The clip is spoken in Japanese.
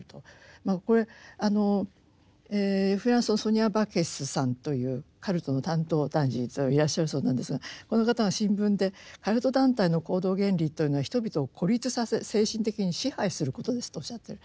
これフランスのソニア・バケスさんというカルトの担当大臣いらっしゃるそうなんですがこの方が新聞で「カルト団体の行動原理というのは人々を孤立させ精神的に支配することです」とおっしゃってる。